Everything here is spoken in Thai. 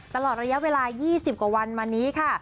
ตลอดระยะเวลา๒๐กว่าวันมานี้ค่ะ